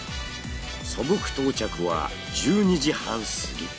曽福到着は１２時半過ぎ。